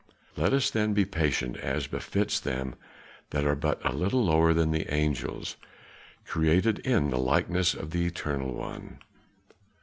Let us then be patient as befits them that are but a little lower than the angels, created in the likeness of the Eternal One."